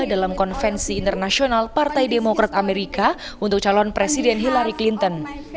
dalam konvensi internasional partai demokrat amerika untuk calon presiden hillary clinton